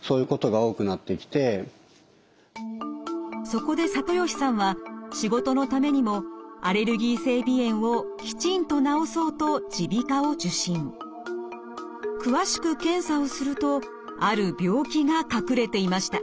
そこで里吉さんは仕事のためにもアレルギー性鼻炎をきちんと治そうと詳しく検査をするとある病気が隠れていました。